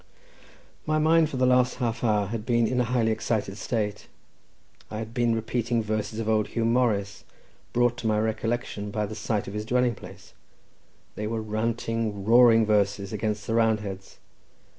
My mind for the last half hour had been in a highly excited state; I had been repeating verses of old Huw Morris, brought to my recollection by the sight of his dwelling place; they were ranting roaring verses, against the Roundheads.